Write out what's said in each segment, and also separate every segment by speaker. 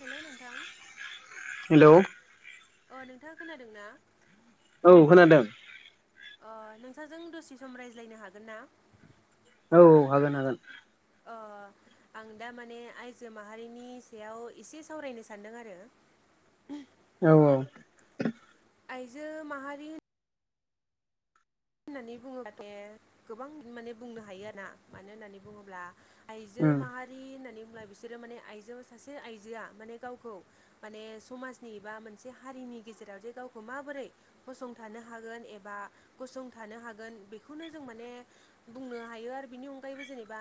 Speaker 1: हेल' नोंथां।
Speaker 2: हेलौ।
Speaker 1: अ नोंथाङा खोनादों ना?
Speaker 2: औ खोनादों।
Speaker 1: ओ नोंथांजों दसे सम रायज्लायनो हागोन ना?
Speaker 2: औ हागोन हागोन।
Speaker 1: अ आं दा माने आइजो माहारिनि सायाव इसे सावरायनो सानदों आरो।
Speaker 2: औ औ।
Speaker 1: आइजो माहारि हो ननानै बुङोब्लाथाय गोबां माने बुंनो हायो आरो ना मानो होननानै बुङोब्ला आइजो
Speaker 2: उम
Speaker 1: माहारि होननानै बुंब्ला बिसोरो माने आइजो सासे आइजोआ माने गावखौ माने समाजनि बा मोनसे हारिनि गेजेराव जे गावखौ माबोरै गसंथानो हागोन एबा गसंथानो हागोन बेखौनो जों माने बुंनो हायो आरो बिनि अनगायैबो जेनेबा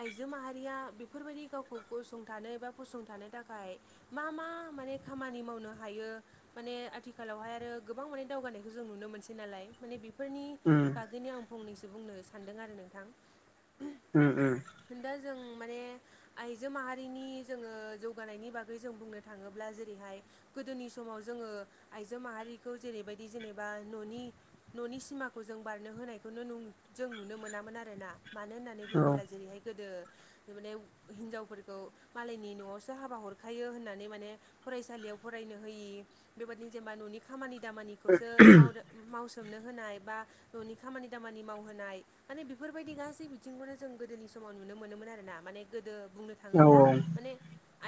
Speaker 1: आइजो माहारिया बेफोरबायदि गावखौ गसंथानो एबा फसंथानो थाखाय मा मा माने खामानि मावनो हायो। माने आथिखालावहाय आरो गोबां माने दावगानायखौ जों नुनो मोनसै नालाय माने बेफोरनि
Speaker 2: उम।
Speaker 1: बिदिनो आं फंनैसो बुंनो सानदों आरो नोंथां।
Speaker 2: उम उम।
Speaker 1: खिन्था जों माने आइजो माहारिनि जोङो जौगानायनि बागै जों बुंनो थाङोब्ला जेरैहाय गोदोनि समाव जोङो आइजो माहारिखौ जेरैबायदि जेनेबा न'नि न'नि सिमा खौ जों बारनो होनायखौनो नुं जों नुनो मोनामोन आरोना। मानो होननानै
Speaker 2: औ
Speaker 1: बुङोब्ला जेरैहाय गोदो बे माने हिनजावफोरखौ मालायनि न'आवसो हाबा हरखायो होननानै माने फरायसालियाव फरायनो होयि बेबायदिनो जेनेबा न'नि खामानि दामानि खौसो मावदो मावसोमनो होनाय बा न'नि खामानि दामानि मावहोनाय माने बेफोरबायदि गासै बिथिंखौनो जों गोदोनि समाव नुनो मोनोमोन आरोना माने गोदो बुंनो
Speaker 2: औ
Speaker 1: थाङोब्ला माने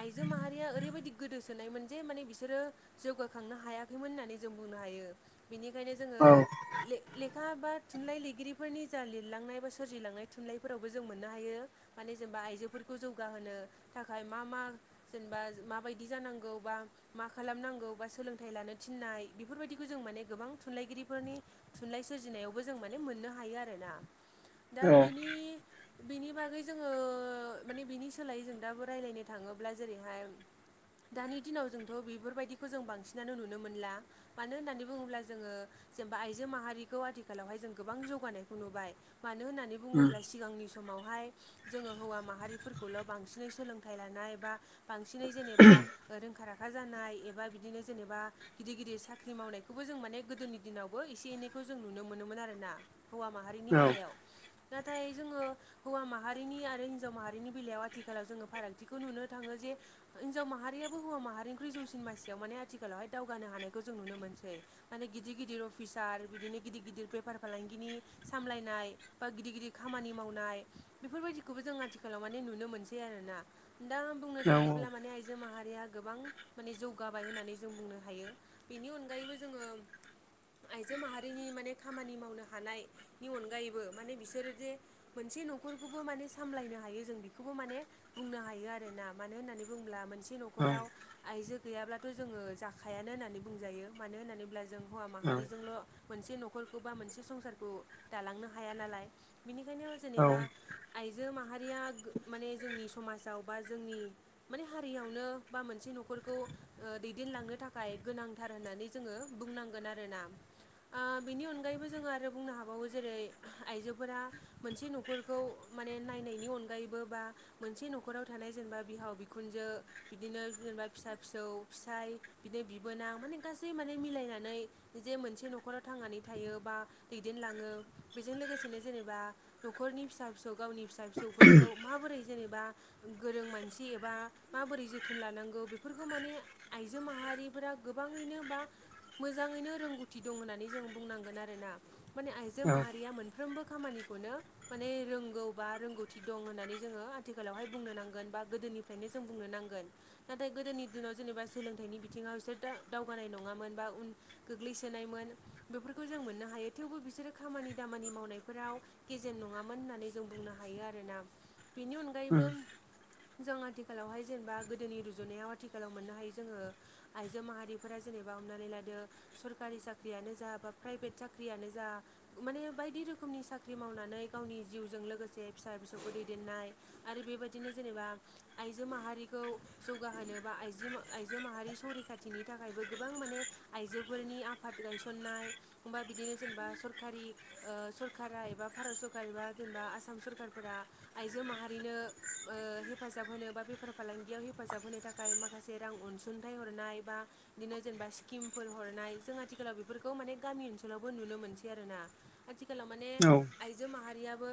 Speaker 1: आइजो माहारिया ओरैबायदि गोदोसोनायमोन जे माने बिसोरो जौगाखांनो हायाखैमोन होननानै जों बुंनो हायो बेनिखायनो जोङो
Speaker 2: औ
Speaker 1: ले लेखा बा थुनलाइ लिरगिरिफोरनि जा लिरलांनाय बा सोरजिलांनाय थुनलाइफोरावबो जों मोननो हायो। माने जेनेबा आइजोफोरखौ जौगाहोनो थाखाय मा मा जेनेबा माबायदि जानांगौ बा मा खालामनांगौ बा सोलोंथाइ लानो थिननाय बेफोरबायदिखो जों माने गोबां थुनलाइगिरिफोरनि थुनलाइ सोरजिनायावबो जों माने मोननो हायो आरो ना दा
Speaker 2: उम औ
Speaker 1: बिनि बिनि बागै जोङो माने बिनि सोलायै जों दाबो रायज्लायनो थाङोब्ला जेरैहाय दानि दिनाव जोंथ' बेफोरबायदिखौ जों बांसिनानो नुनो मोनला। मानो होननानै बुङोब्ला जोङो जेनेबा आइजो मा हारिखौ आथिखालावहाय जों गोबां जौगानायखौ नुबाय मानो होननानै
Speaker 2: उम
Speaker 1: बुङोब्ला सिगांनि समावहाय जोङो हौवा माहारिफोरखौल' बांसिनै सोलोंथाइ लानाय बा बांसिनै जेनेबा रोंखा राखा जानाय एबा बिदिनो जेनेबा गिदिर गिदिर साख्रि मावनायखौबो जों माने गोदोनि दिनावबो एसे एनै खौ जों नुनो मोनोमोन आरो ना हौवा माहारिनि
Speaker 2: औ
Speaker 1: बेलायाव नाथाय जोङो हौवा माहारिनि आरो हिनजाव माहारिनि बेलायाव आथिखालाव जोङो फारागथिखौ नुनो थाङो जे हिनजाव माहारियाबो हौवा माहारिनिख्रुइ जौसिन मासियाव माने आथिखालावहाय दावगानो हानायखौ जों नुनो मोनसै। माने गिदिर गिदिर अफिसार बिदिनो गिदिर गिदिर बेपार फालांगिनि सामलायनाय बा गिदिर गिदिर खामानि मावनाय बेफोरबायदिखौबो जों आथिखालाव माने नुनो मोनसै आरोना। दा बुंनो थाङोब्ला माने आइजो माहारिया गोबां माने जौगाबाय होननानै जों बुंनो हायो बेनि अनगायैबो जोङो आइजो माहारि हारिनि माने खामानि मावनो हानायनि अनगायैबो माने बिसोरो जे मोनसे न'खरखौबो माने सामलायनो हायो जों बेखौबो माने बुंनो हायो आरोना मानो होननानै बुंङोब्ला मोनसे नख खराव आइजो गैयाब्लाथ' जोङो जाखायानो होननानै बुंजायो मानो होननानै होनब्ला जों हौवा माहारिजोंल' मोनसे न'खरखौ बा मोनसे संसारखौ दालांनो हाया नालाय। बिनिखायनो जेनेबा आइजो माहारिया माने जोंनि समाजाव बा जोंनि माने हारियावनो बा मोनसे न'खरखौ ओ दैदेनलांनो थाखाय गोनां थार होननानै जोङो बुंनांगोन आरोना। आ बिनि अनगायैबो जोङो आरो बुंनो हाबावो जेरै आइजोफोरा मोनसे न'खरखौ माने नायनायनि अनगायैबो बा मोनसे न'खराव थानाय जेनेबा बिहाव बिखुनजो। बिदिनो जेनेबा फिसा फिसौ फिसाय बिदिनो बिबोनां माने गासै माने मिलायनानै जे मोनसे न'खराव थांनानै थायो बा दैदेनलाङो बेजों लोगोसेनो जेनेबा न'खरनि फिसा फिसौ गावनि फिसा फिसौफोरखौ माबोरै जेनेबा गोरों मानसि एबा माबोरै जोथोन लानांगौ बेफोरखौ माने आइजो माहारिफोरा गोबाङैनो बा मोजाङैनो रोंगौथि दं होननानै जों बुंनांगोन आरोना माने आइजो माहारिया मोनफ्रोमबो खामानिखौनो माने रोंगौ बा रोंगौथि दं होननानै जोङो आथिखालावहाय बुंनो नांगोन बा गोदोनि ओंखायनो जों बुंनो नांगोन नाथाय गोदोनि दिनाव जेनेबा सोलोंथाइनि बिथिङाव बिसोरा दावगानाय नङामोन बा उन गोग्लैस सोनायमोन बेफोरखौ जों मोननो हायो थेवबो बिसोरो खामानि दामानि मावनायफोराव गेजेन नङामोन होननानै जों बुंनो हायो आरोना बेनि अनगायैबो। जों आथिखालावहाय जेनेबा गोदोनि रुजुनायाव आथिखालाव मोननो हायो जोङो। आइजो माहारिफोरा जेनेबा हमनानै लादो सरक सोरखारि साख्रियानो जा बा प्राइभेट साख्रियानो जा माने बायदि रोखोमनि साख्रि मावनानै गावनि जिउजों लोगोसे फिसा फिसौखौ दैदेननाय आरो बेबायदिनो जेनेबा आइजो माहारिखौ जौगाहोनो बा आइ आइजो माहारि सौरिखाथि खाथिनि थाखायबो गोबां माने आइजोफोरनि आफाद गायसननाय बा बिदिनो जेनेबा सरखारि ओ सरकारा एबा भारत सरकार एबा जेनेबा आसाम सरकाफोरा आइजो माहारिनो ओ हेफाजाब होनो बा बेफार फालांगियाव हेफाजाब होनो थाखाय माखासे रां अनसुंथाइ हरनाय बा बिदिनो जेनेबा स्किमफोर हरनाय जों आथिखालाव बेफोरखौ माने गामि ओनसोलावबो नुनो मोनसै आरोना आथिखालाव माने आइजो माहारियाबो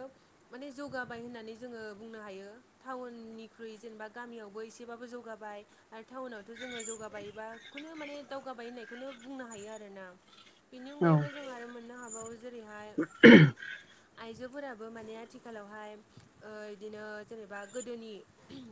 Speaker 1: माने जौगाबाय होननानै जोङो बुंनो हायो। टाउननिख्रुइ जेनेबा गामियावबो एसेबाबो जौगाबाय। आरो टाउनावथ' जोङो जौगाबायोबा खुनु माने दावगाबायो होननायखौनो बुंनो हायो आरो आरोना बेनि अनगायैबो जों आरो मोननो हाबावो जेरैहाय
Speaker 2: ओहम
Speaker 1: आइजोफोराबो माने आथिखालावहाय ओ बिदिनो जेनेबा गोदोनि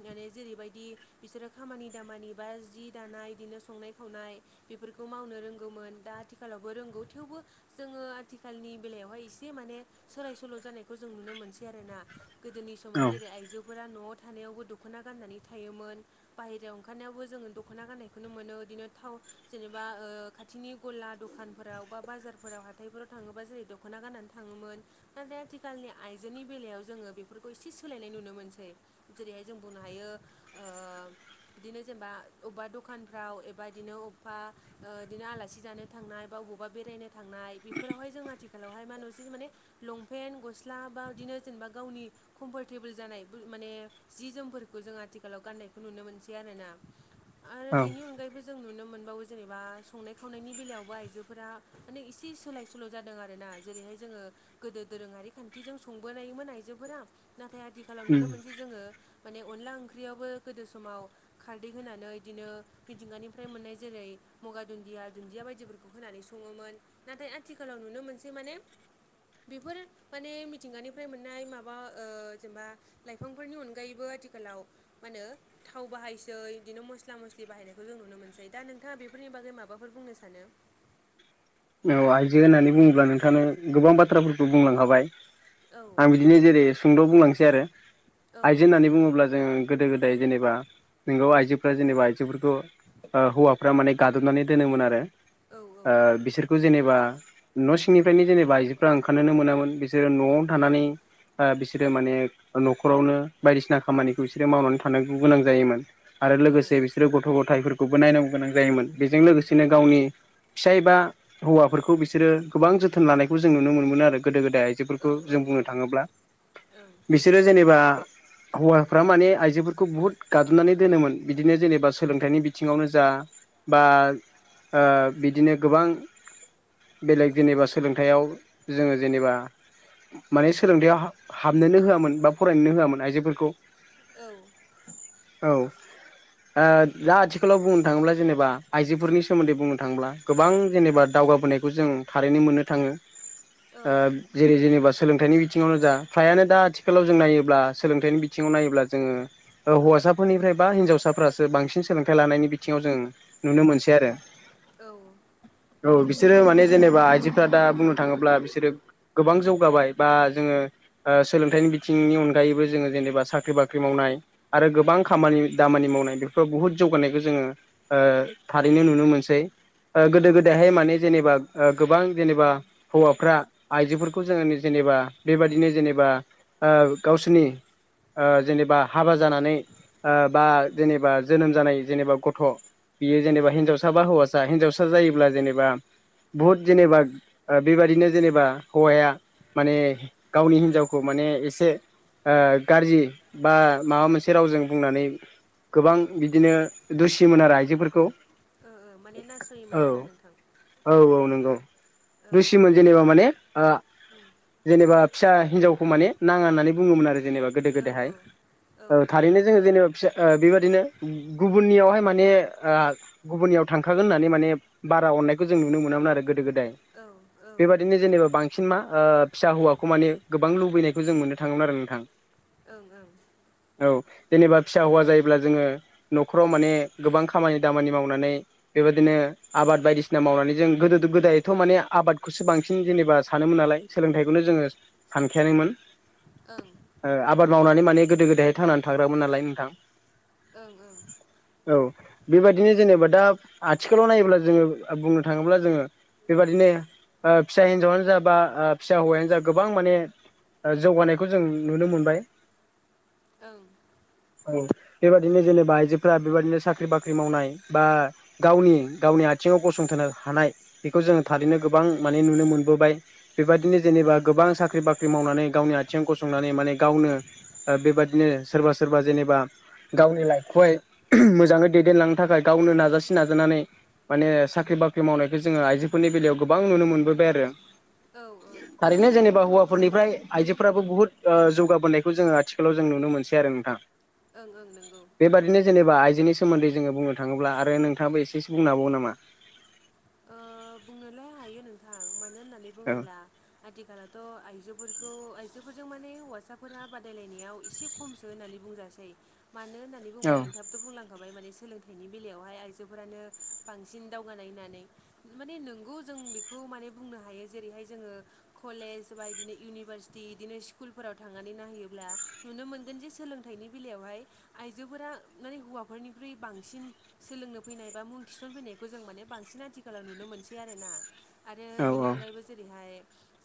Speaker 1: माने जेरैबायदि बिसोरो खामानि दामानि बा जि दानाय बिदिनो संनाय खावनाय बेफोरखौ मावनो रोंगौमोन दा आथिखालावबो रोंगौ थेवबो जोङो आथिखालनि बेलायावहाय एसे माने सोलाय सोल' जानायखौ जों नुनो मोनसै आरोना। गोदोनि समाव
Speaker 2: औ
Speaker 1: जेरै आइजोफोरा न'आव थानायावबो दख'ना गाननानै थायोमोन। बाहेरायाव ओंखारनायावबो जोङो दख'ना गाननायखौनो मोनो बिदिनो थाव जेनेबा ओ खाथिनि गला दखानफोराव बा बाजारफोराव हाथायफोराव थाङोबा जेरै दख'ना गाननानै थाङोमोन। नाथाय आथिखालनि आइजोनि बेलायाव जोङो बेफोरखौ एसे सोलायनाय नुनो मोनसै। जेरैहाय जों बुंनो हायो ओ बिदिनो जेनेबा अबेबा दखानफ्राव एबा बिदिनो अबेबा बिदिनो ओ आलासि जानो थांनाय बा बबावबा बेरायनो थांनाय बेफोरावहाय जों आथिखालावहाय मा नुसै माने लंपेन्ट गस्ला बा बिदिनो जेनेबा गावनि कम्फर्टेबोल जानाय माने जि जोमफोरखौ जों आथिखालाव गान्नायखौ नुनो मोनसै आरोना। आरो बेनि अनगायैबो जों नुनो मोनबावो जेनेबा संनायाव सावनायनि बेलायावबो आइजोफोरा माने इसे सोलाय सोल' जादों आर ना जेरैहाय जोङो। गोदो दोरोङारि खान्थिजों संबोनायोमोन आइजोफोरा नाथाय आथिखालाव नुनो मोनसै जोङो माने अनला ओंख्रियावबो गोदो समाव खारदै होनानै बिदिनो मिथिंगानिफ्राय मोननाय जेरै मगा दुन्दिया दुन्दिया बायदिफोरखौ होनानै सङोमोन नाथाय आथिखालाव नुनो मोनसै माने बेफोर माने मिथिंगानिफ्राय मोननाय माबा ओ जेनेबा लाइफांफोरनि अनगायैबो आथिखालाव मा होनो थाव बाहायसै बिदिनो मस्ला मस्लि बाहायनायखौ जों नुनो मोनसै दा नोंथाङा बेफोरनि बागै माबा फोर बुंनो सानो?
Speaker 2: औ आइजो होननानै बुङोब्ला नोंथाङानो गोबां बाथ्राफोरखौ बुंलांखाबाय।
Speaker 1: औ
Speaker 2: आं बिदिनो जेरै सुंद' बुंलांसै आरो
Speaker 1: औ
Speaker 2: आइजो होननानै बुङोब्ला जों गोदो गोदाय जेनेबा नंगौ आइजोफ्रा जेनेबा आइजोफोरखौ ओ हौवाफ्रा माने गादबनानै दोनोमोन आरो।
Speaker 1: औ औ।
Speaker 2: ओ बिसोरखौ जेनेबा न' सिंनिफ्रायनो जेनेबा आइजोफ्रा ओंखारनोनो मोनामोन बिसोरो न'आव थानानै बिसोरो माने न'खरावनो बायदिसिना खामानिखौ बिसोरो मावनानै थानांगौ गोनां जायोमोन। आरो
Speaker 1: औ
Speaker 2: लोगोसे बिसोरो गथ' गथायाइफोरखौबो नायनांगौ गोनां जायोमोन बेजों
Speaker 1: औ
Speaker 2: लोगोसेनो गावनि फिसायबा हौवाफोरखौ बिसोरो गोबां जोथोन लानायखौ जों नुनो मोनो आरो गोदो गोदाय फोरखौ जों बुंनो थाङोब्ला बिसोरो जेनेबा हौवाफ्रा माने आइजोफोरखौ बुहुत गादबनानै दोनोमोन बिदिनो जेनेबा सोलोंथाइनि बिथिङावनो जा बा ओ बिदिनो गोबां बेलेग जेनेबा सोलोंथाइयाव जोङो जेनेबा माने सोलोंथायाइयाव हाबनोनो होआमोन बा फरायनोनो होआमोन आइजोफोरखौ
Speaker 1: औ
Speaker 2: औ दा आथिखालाव बुंनो थाङोब्ला जेनेबा आइजोफोरनि सोमोन्दै बुंनो थाङोब्ला गोबां जेनेबा दावगाबोनायखौ जों थारैनो मोननो थाङो। ओ जेरै जेनेबा सोलोंथाइनि बिथिङावनो जा फ्रायानो दा आथिखालाव जों नायोब्ला सोलोंथाइनि बिथिङाव नायोब्ला जोङो हौवासाफोरनिफ्राय बा हिन्जावसाफोरासो बांसिन सोलोंथाइ लानायनि बिथिङाव जों नुनो मोनसै आरो
Speaker 1: औ
Speaker 2: औ बिसोरो माने जेनेबा आइजोफ दा बुंनो थाङोब्ला बिसोरो गोबां जौगाबाय बा जोङो ओ सोलोंथाइनि बिथिंनि अनगायैबो जोङो जेनेबा साख्रि बाख्रि मावनाय। आरो गोबां खामानि दामानि मावनाय बेफोराव बुहुत जौगानायखौ जोङो ओ थारैनो नुनो मोनसै ओ गोदो गोदाय बेहाय माने जेनेबा गोबां जेनेबा हौवाफ्रा आइजोफोरखौ जोङो जेनेबा बेबादिनो जेनेबा ओ गावसोरनि ओ जेनेबा हाबा जानानै ओ बा जेनेबा जोनोम जानाय जेनेबा गथ' बियो जेनेबा हिनजावसा बा हौवासा हिनजावसा जायोब्ला जेनेबा बुहुद जेनेबा बेबादिनो जेनेबा हौवाया माने गावनि हिनजावखौ माने एसे ओ गाज्रि बा माबा मोनसे रावजों बुंनानै गोबां बिदिनो दुसिमोन आरो आइजोफोरखौ।
Speaker 1: ओ-ओ मेने नासयोमोन आरोना नोंथां।
Speaker 2: औ-औ नंगौ
Speaker 1: औ
Speaker 2: दुसिमोन। जेनेबा माने ओ जेनेबा फिसा हिनजावखौ माने नाङा होननानै बुङोमोन आरो जेनेबा गोदो
Speaker 1: औ ओं
Speaker 2: गोदोहाय औ
Speaker 1: ओं
Speaker 2: थारैनो जोङो जेनेबा साे ओ बेबायदिनो गुबुननियावहाय माने ओ गुबुननियाव थांखागोन होननानै माने बारा अननायखौ जों नुनो मोनामोन आरो गोदो गोदाय।
Speaker 1: औ ओ
Speaker 2: बेबादिनो जेनेबा बांसिन मा ओ फिसा हौवाखौ माने गोबां लुबैनायखौ जों मोननो थाङोमोन आरो नोंथां।
Speaker 1: ओं ओं
Speaker 2: औ जेनेबा फिसा हौवा जायोब्ला जोङो न'खराव माने गोबां खामानि दामानि मावनानै बेबादिनो आबाद बायदिसिना मावनानै जों गोदो गोदायथ' माने आबादखौसो बांसिन जेनेबा सानोमोन नालाय सोलोंथाइखौनो जोङो सानखायानोमोन
Speaker 1: ओं
Speaker 2: ओआबाद मावनानै माने गोदो गोदायहाय थांनानै थाग्रामोन नालाय नोंथां
Speaker 1: ओं-ओं
Speaker 2: औ बेबायदिनो जेनेबा दा आथिखालाव नायोब्ला जोङो बुंनो थाङोब्ला जोङो बेबादिनो ओ फिसा हिनजावानो जा बा ओ फिसा हौवायानो जा गोबां माने जौगानायखौ जों नुनो मोनबाय।
Speaker 1: औ
Speaker 2: औ बेबायदिनो जेनेबा आइजोफोरा बेबायाददिनो साख्रि बाख्रि मावनाय बा गावनि गावनि आथिङाव गसंथानो हानाय बेखौ जोङो थारैनो गोबां माने नुनो मोनबोबाय बेबायदिनो जेनेबा गोबां साख्रि बाख्रि मावनानै गावनि आथिंयाव गसंनानै माने गावनो बेबादिनो सोरबा सोरबा जेनेबा गावनि लाइफखौहाय मोजाङै दैदेनलांनो थाखाय गावनो नाजासि नाजानानै माने साख्रि बाख्रि मावनायखौ जोङो आइजोफोरनि बेलायाव गोबां नुनो मोनबोबाय आरो।
Speaker 1: औ औ
Speaker 2: थारैनो जेनेबा हौवाफोरनिफ्राय आइजोफोराबो बुहुत ओ जौगाबोनायखौ जोङो आथिखालाव जों नुनो मोनसै आरो नोंथां।
Speaker 1: ओं ओं नंगौ।
Speaker 2: बेबायदिनो जेनेबा आजोनि सोमोन्दै जोंयो बुंनो थाङोब्ला आरो नोंथां याबो एसेसो बुंनाे हाबावगोन ना मा?
Speaker 1: ओ बुंनोलाय हायो नोंथां मानो होननानै
Speaker 2: औ
Speaker 1: बुङोब्ला आथिखालावथ' आइजोफोरखौ आइजोफोरजों माने हौवासाफोरा बादायलायनायाव एसे खमसो होननानै बुंजासै मानो होननानै बुंयोब्ला
Speaker 2: औ
Speaker 1: नोंथां थ' बुंलांखाबाय माने सोलोंथाइनि बेलायावहाय आइजोफोरानो बांसिन दावगानाय होननानै माने नोंगौ जों बेखौ माने बुंनो हायो जेरैहाय जोङो कलेज बा बिदिनो इउनिभारसिटि बिदिनो स्कुलफोराव थांनानै नायहैयोब्ला नुनो मोनगोन जे सोलोंथाइनि बेलायावहाय आइजोफोरा माने हौवाफोरनिख्रुइ बांसिन सोलोंनो फैनाय बा मुं थिसनफैनायखौ जों माने बांसिन आ दि सला नुनो मोनसै आरो ना आरो
Speaker 2: औ
Speaker 1: बिनि
Speaker 2: औ
Speaker 1: अनगायैबो जेरैहाय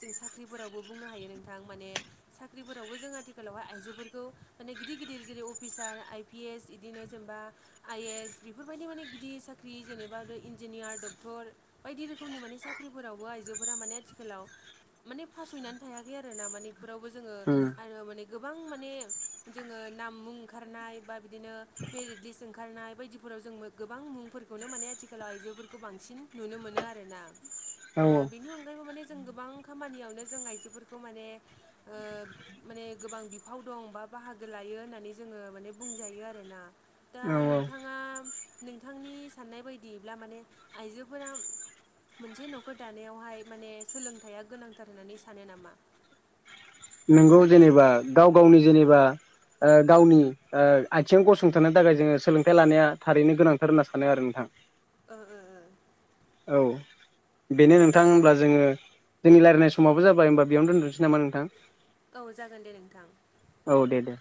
Speaker 1: जों साख्रिफोरावबो बुंनो हायो नोंथां माने साख्रिफोरावबो जों आथिखालावहाय आइजोफोरखौ माने गिदिर गिदिर जेरै अफिसार आइ पि एस बिदिनो जेनेबा आइ ए एस बेफोरबायदि माने गिदिर साख्रि जेनेबाद इन्जिनियार डक क्टर बायदि रोखोमनि माने साख्रिफोरावबो आइजोफोरा माने आथिखालाव माने फासयनानै थायाखै आरो ना माने बेफोरावबो जोङो
Speaker 2: उम
Speaker 1: आरो माने गोबां माने जोङो नाम मुं ओंखारनाय बा बिदिनो मेरिट लिस्ट ओंखारनाय बायदिफोराव जों गोबां मुंफोरखौनो माने आथिखालाव आइजोफोर खौ बांसिन नुनो मोनो आरोना
Speaker 2: औ
Speaker 1: ओ बिनि अनगायैबो माने जों गोबां खामानियावनो जों आइजोफोरखौ माने ओ माने गोबां बिफाव दं बा बाहागो लायो होननानै जोङो माने बुंजायो आरोना। दा
Speaker 2: औ औ
Speaker 1: नोंथाङा नोंथांनि साननाय बायदियैब्ला माने आइजोफोरा मोनसे नखर दानायावहाय माने सोलोंथाइया गोनांथार होननानै सानो नामा?
Speaker 2: नोंगौ जेनेबा गाव गावनि जेनेबा ओ गावनि ओ आथिंङाव गसंथानो थाखाय जोङो सोलोंथाइ लानाया थारैनो गोनांथार होनना सानो आरो नोंथां।
Speaker 1: ओ ओ
Speaker 2: औ बेनो नोंथां होमब्ला जोङो जोंनि रायलायनाय समावबो जाबाय होमबा बेयावनो दोनथनोसै नामा नोंथां?
Speaker 1: औ जागोन दे नोंथां।
Speaker 2: औ दे दे।